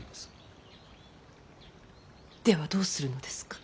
ではどうするのですか。